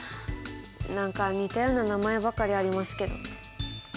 何か似たような名前ばかりありますけど。